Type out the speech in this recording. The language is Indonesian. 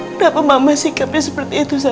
kenapa mama sikapnya seperti itu sama aku